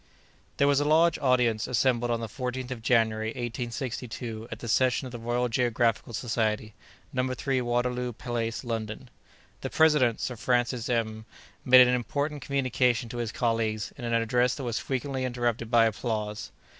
There was a large audience assembled on the 14th of January, 1862, at the session of the Royal Geographical Society, No. 3 Waterloo Place, London. The president, Sir Francis M——, made an important communication to his colleagues, in an address that was frequently interrupted by applause.